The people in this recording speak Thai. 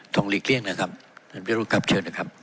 หลีกเลี่ยงนะครับท่านพิรุธครับเชิญนะครับ